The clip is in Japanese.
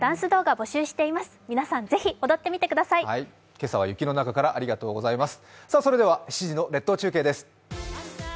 今朝は雪の中からありがとうございます。